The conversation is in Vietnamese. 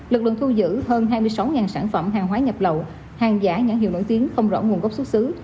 lực lượng thu giữ hơn hai mươi sáu sản phẩm hàng hóa nhập lậu hàng giả nhãn hiệu nổi tiếng không rõ nguồn gốc xuất xứ